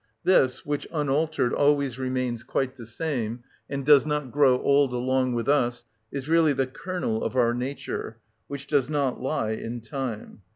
This, which unaltered always remains quite the same, and does not grow old along with us, is really the kernel of our nature, which does not lie in time.